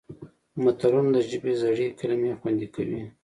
متلونه د ژبې زړې کلمې خوندي کوي